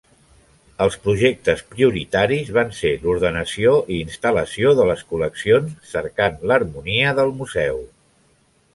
Els projectes prioritaris van ser l’ordenació i instal·lació de les col·leccions, cercant l’harmonia del museu.